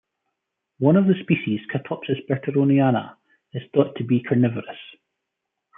One of the species, "Catopsis berteroniana", is thought to be carnivorous.